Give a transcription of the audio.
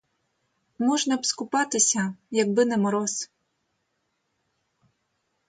Можна б скупатися, якби не мороз.